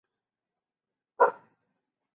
Fue padre de Carmen Fernández-Guerra.